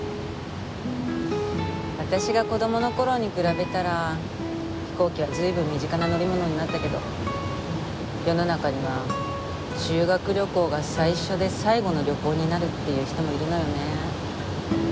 私が子供の頃に比べたら飛行機は随分身近な乗り物になったけど世の中には修学旅行が最初で最後の旅行になるっていう人もいるのよね。